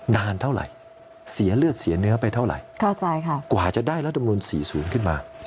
นานเท่าไหร่เสียเลือดเสียเนื้อไปเท่าไหร่ค่ะกว่าจะได้รัฐมนุน๔๐ขึ้นมา